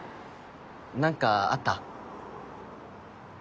何かあった？